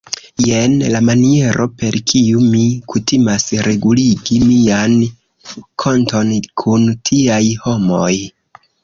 Jen la maniero, per kiu mi kutimas reguligi mian konton kun tiaj homoj!